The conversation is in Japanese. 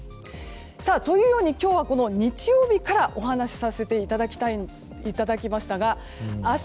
というように、今日は日曜日からお話させていただきましたが明日